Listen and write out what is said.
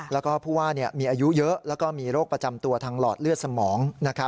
แล้วก็ผู้ว่ามีอายุเยอะแล้วก็มีโรคประจำตัวทางหลอดเลือดสมอง